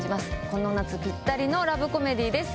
この夏ぴったりのラブコメディーです